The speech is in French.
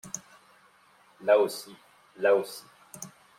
Là aussi, là aussi.